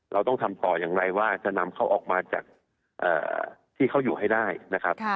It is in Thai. เราต้องทำต่ออย่างไรว่าจะนำเขาออกมาจากที่เขาอยู่ให้ได้นะครับ